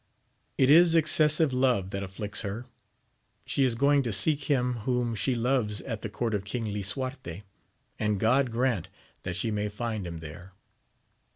It is excessive love that afflicts her : she is going to seek him whom she loves at the court of King Lisuarte, and God AMADIS OF GAUL. 301 grant that she may find him there